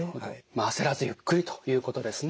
まあ焦らずゆっくりということですね。